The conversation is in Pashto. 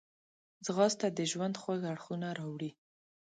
ځغاسته د ژوند خوږ اړخونه راوړي